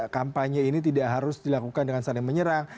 kampanye ini tidak harus dilakukan dengan saling menyerang